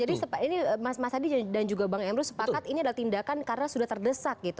jadi mas hadi dan juga bang emro sepakat ini adalah tindakan karena sudah terdesak gitu